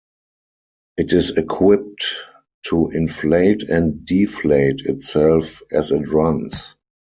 It is equipped to inflate and deflate itself as it runs.